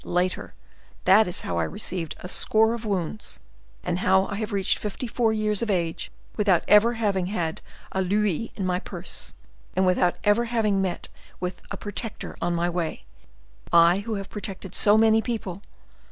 Later—that is how I have received a score of wounds, and how I have reached fifty four years of age without ever having had a louis in my purse, and without ever having met with a protector on my way,—I who have protected so many people!